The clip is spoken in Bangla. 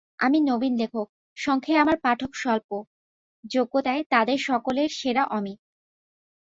আমি নবীন লেখক, সংখ্যায় আমার পাঠক স্বল্প, যোগ্যতায় তাদের সকলের সেরা অমিত।